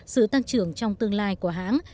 sự tăng trưởng trong tương lai của hãng